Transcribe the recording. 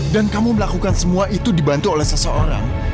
dan kamu melakukan semua itu dibantu oleh seseorang